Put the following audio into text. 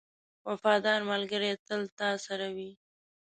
• وفادار ملګری تل تا سره وي.